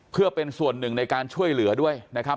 เพื่อเป็นส่วนหนึ่งในการช่วยเหลือด้วยนะครับ